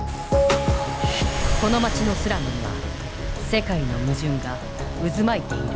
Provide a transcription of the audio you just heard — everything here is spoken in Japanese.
この街のスラムには世界の矛盾が渦巻いている。